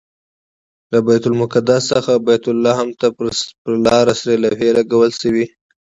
له بیت المقدس څخه بیت لحم ته پر لاره سرې لوحې لګول شوي دي.